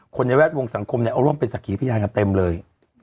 คนในแวดวงสังคมเนี่ยเอาร่วมเป็นสัขหิพิญญาณเต็มเลย